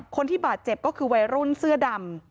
คนที่บาดเจ็บก็คือวัยรุ่นเสื้อดำ